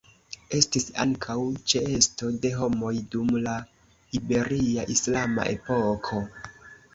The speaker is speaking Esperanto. Estis ankaŭ ĉeesto de homoj dum la Iberia islama epoko.